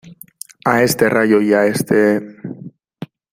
a este Rayo y a este...